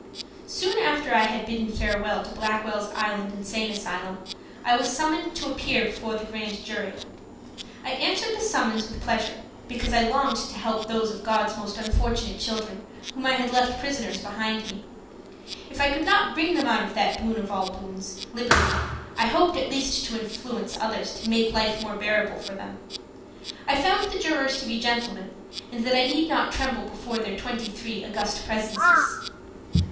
SOON after I had bidden farewell to the Blackwell's Island Insane Asylum, I was summoned to appear before the Grand Jury. I answered the summons with pleasure, because I longed to help those of God's most unfortunate children whom I had left prisoners behind me. If I could not bring them that boon of all boons, liberty, I hoped at least to influence others to make life more bearable for them. I found the jurors to be gentlemen, and that I need not tremble before their twenty three august presences.